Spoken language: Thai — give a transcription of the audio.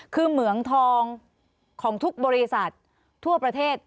คือเหมืองทองของทุกบริษัททั่วประเทศ